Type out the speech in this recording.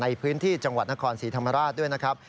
ในพื้นที่จังหวัดนครศรีธรรมราชด้วยนะครับ